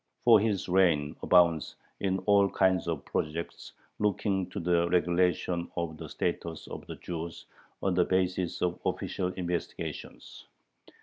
For his reign abounds in all kinds of projects looking to the regulation of the status of the Jews on the basis of official "investigations."